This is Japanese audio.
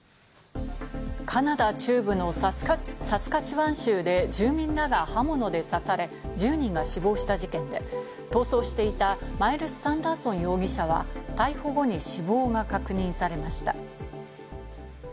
カナダ中部のサスカチワン州で住民らが刃物で刺され、１０人が死亡した事件で、逃走していたマイルス・サンダーソン容疑者は、逮捕後に死亡が確認されました。